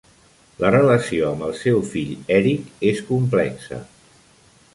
La relació amb el seu fill Eric és complexa.